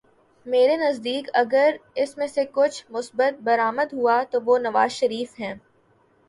میرے نزدیک اگر اس میں سے کچھ مثبت برآمد ہوا تو وہ نواز شریف ہیں۔